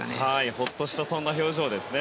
ほっとした表情ですね。